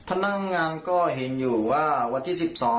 พนักงานก็เห็นอยู่ว่าวันที่๑๒